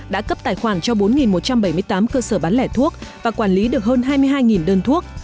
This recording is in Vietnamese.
đã cấp tài khoản cho bốn một trăm bảy mươi tám cơ sở bán lẻ thuốc và quản lý được hơn hai mươi hai đơn thuốc